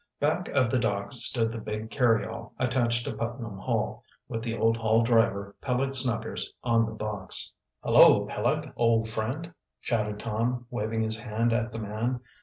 Back of the dock stood the big carryall attached to Putnam Hall, with the old Hall driver, Peleg Snuggers, on the box. "Hullo, Peleg, old friend!" shouted Tom, waving his hand at the man.